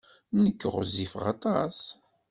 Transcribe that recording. Nekk ɣezzifeɣ aṭas.